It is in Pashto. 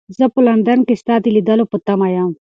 زه په لندن کې ستا د لیدلو په تمه یم.